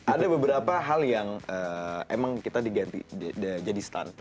ada beberapa hal yang emang kita diganti jadi stun